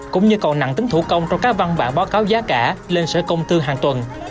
cũng như còn nặng tính thủ công trong các văn bản báo cáo giá cả lên sở công tư hàng tuần